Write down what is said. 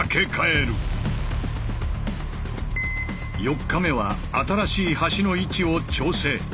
４日目は新しい橋の位置を調整。